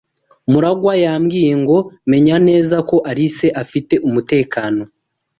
Murangwa yambwiye ngo menye neza ko Alice afite umutekano.